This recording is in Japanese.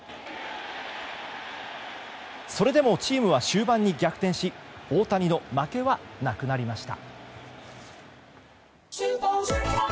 それでもチームは終盤に逆転し大谷の負けはなくなりました。